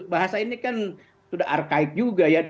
bahasa ini kan sudah arkaik juga ya